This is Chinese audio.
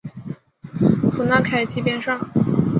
普纳凯基边上。